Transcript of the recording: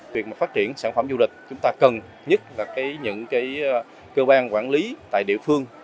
việc mà phát triển sản phẩm du lịch chúng ta cần nhất là những cơ quan quản lý tại địa phương